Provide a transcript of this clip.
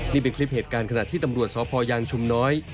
นี่เป็นคลิปเหตุการณ์ขณะที่ตำรวจสพยางชุมน้อย